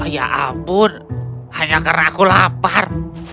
ya ampun hanya karena aku lapar